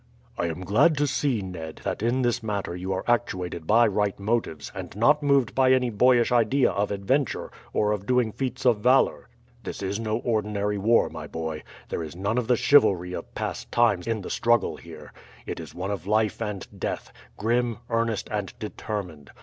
"I am glad to see, Ned, that in this matter you are actuated by right motives, and not moved by any boyish idea of adventure or of doing feats of valour. This is no ordinary war, my boy. There is none of the chivalry of past times in the struggle here. It is one of life and death grim, earnest, and determined.